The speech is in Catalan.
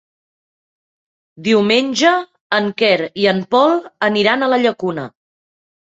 Diumenge en Quer i en Pol aniran a la Llacuna.